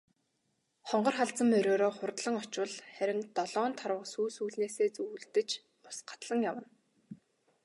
Хонгор халзан мориороо хурдлан очвол харин долоон тарвага сүүл сүүлнээсээ зүүлдэж ус гатлан явна.